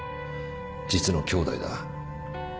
実の兄弟だ。